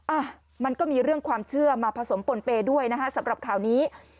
อ่ะมันก็มีเรื่องความเชื่อมาผสมปนเปย์ด้วยนะฮะสำหรับข่าวนี้